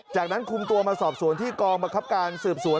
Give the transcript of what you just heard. จากนั้นคุมตัวมาสอบสวนที่กองบังคับการสืบสวน